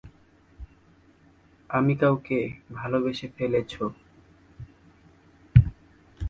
তুমি কাউকে ভালোবেসে ফেলেছো!